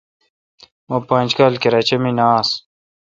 مہ پانچ کال کراچے°مے° نہ آس۔